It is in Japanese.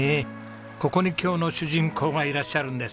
ここに今日の主人公がいらっしゃるんです。